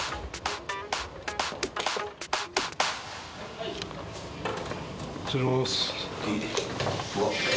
はい失礼します